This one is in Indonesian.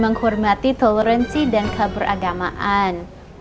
menghormati toleransi dan keberagamaan